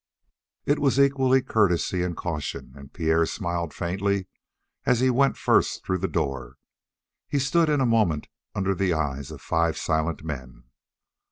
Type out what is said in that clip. It was equally courtesy and caution, and Pierre smiled faintly as he went first through the door. He stood in a moment under the eyes of five silent men.